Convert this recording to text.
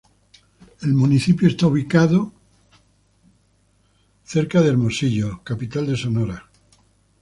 El municipio está ubicado a de Hermosillo, la capital de Sonora.